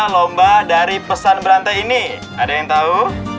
lomba dari pesan berantai ini ada yang tahu